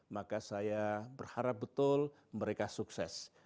maka saya berharap betul mereka sukses